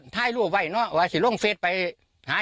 แต่มันเป็นสิ่งที่ดัดค้ำ